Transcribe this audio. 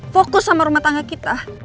fokus sama rumah tangga kita